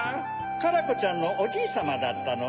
カラコちゃんのおじいさまだったのね。